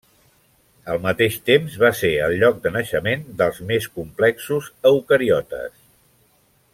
Al mateix temps va ser el lloc de naixement dels més complexos eucariotes.